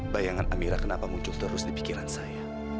bayangan amira kenapa muncul terus di pikiran saya